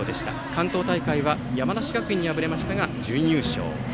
関東大会は山梨学院に敗れましたが準優勝。